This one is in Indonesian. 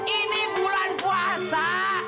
ini bulan puasa